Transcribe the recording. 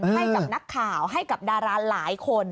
ให้กับนักข่าวให้กับดาราหลายคน